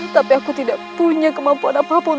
tapi aku tidak punya kemampuan apapun